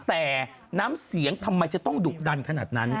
แต่น้ำเสียงทำไมจะต้องดุดันขนาดนั้น